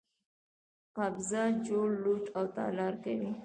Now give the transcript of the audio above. قبضه، چور، لوټ او تالا کوي.